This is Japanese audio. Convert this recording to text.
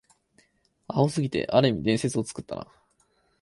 アホすぎて、ある意味伝説を作ったな